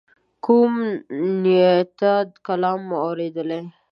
کوم نعتیه کلام مو اوریدلی.